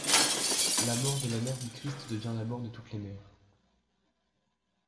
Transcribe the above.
La mort de la mère du Christ devient la mort de toutes les mères.